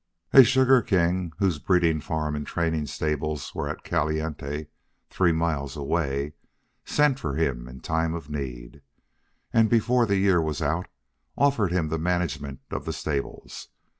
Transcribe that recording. A sugar king, whose breeding farm and training stables were at Caliente, three miles away, sent for him in time of need, and, before the year was out, offered him the management of the stables.